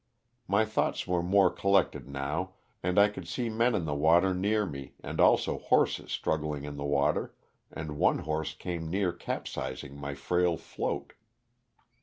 My thoughts were more collected now, and I could see men in the water near me and also horses strug gling in the water, and one horse came near papsizing my frail float.